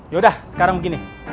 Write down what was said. yaudah sekarang begini